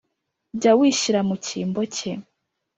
jya wishyira mu cyimbo cye